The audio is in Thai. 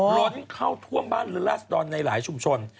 หวัดเข้าท่วมบ้านหรือรัฐดอนในหลายชุมชน